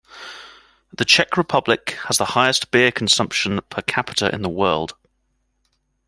The Czech Republic has the highest beer consumption per capita in the world.